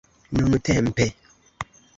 nuntempe